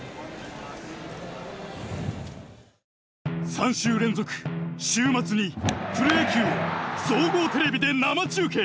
３週連続、週末にプロ野球を総合テレビで生中継！